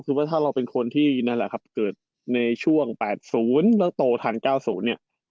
คือว่าถ้าเราเป็นคนที่นั่นแหละครับเกิดในช่วง๘๐แล้วโตทัน๙๐เนี่ย